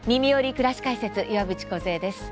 くらし解説」岩渕梢です。